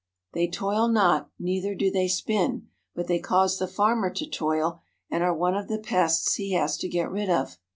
"They toil not, neither do they spin," but they cause the farmer to toil and are one of the pests he has to get rid of.